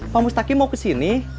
pak mustaqim mau ke sini